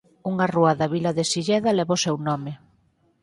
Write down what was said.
Unha rúa da vila de Silleda leva o seu nome.